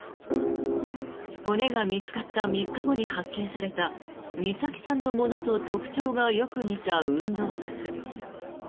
骨が見つかった３日後に発見された美咲さんのものと特徴がよく似た運動靴。